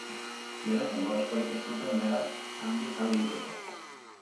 Beraz, denbora askorik ez zuten behar handik alde egiteko.